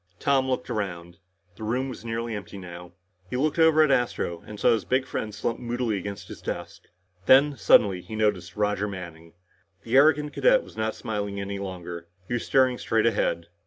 Tom looked around. The room was nearly empty now. He looked over at Astro and saw his big friend slumped moodily over against his desk. Then, suddenly, he noticed Roger Manning. The arrogant cadet was not smiling any longer. He was staring straight ahead.